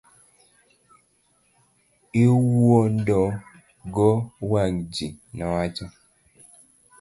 Iwuondo go wang' ji, nowacho.